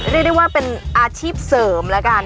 เรียกได้ว่าเป็นอาชีพเสริมแล้วกัน